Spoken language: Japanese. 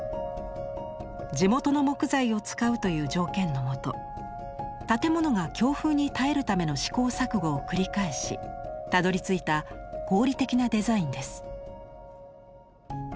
地元の木材を使うという条件のもと建物が強風に耐えるための試行錯誤を繰り返したどりついた合理的なデザインです。